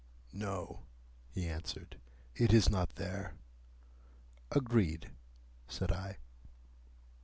"No," he answered. "It is not there." "Agreed," said I.